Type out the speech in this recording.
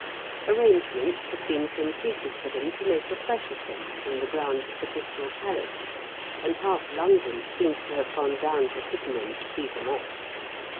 Arrangements had been completed for them to make a fresh ascent from the grounds of the Crystal Palace, and half London seemed to have gone down to Sydenham to see them off.